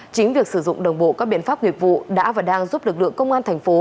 chính việc sử dụng đồng bộ các biện pháp nghiệp vụ đã và đang giúp lực lượng công an thành phố